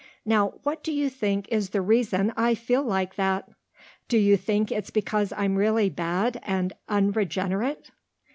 Now, what do you think is the reason I feel like that? Do you think it's because I'm really bad and unregenerate?"